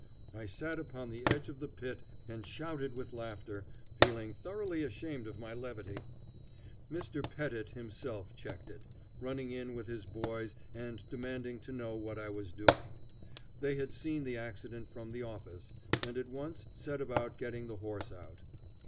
I sat upon the edge of the pit and shouted with laughter, feeling thoroughly ashamed of my levity. Mr. Pettit himself checked it, running in with his boys and demanding to know what I was doing. They had seen the accident from the office, and at once set about getting the horse out.